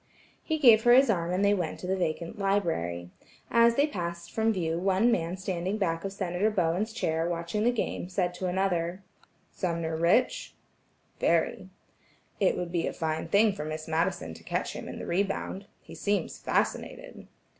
He gave her his arm and they went to the vacant library. As they passed from view one man standing back of Senator Bowen's chair watching the game said to another: "Sumner rich?" "Very." "It would be a fine thing for Miss Madison to catch him in the rebound. He seems fascinated."